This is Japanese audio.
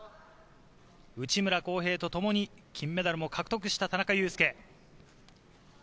内村航平とともに金メダルも獲得した田中佑典。